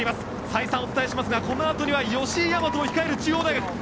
再三、お伝えしますがこのあとには吉居大和が控える中央大学。